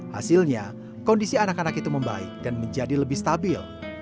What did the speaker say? hasilnya kondisi anak anak itu membaik dan menjadi lebih stabil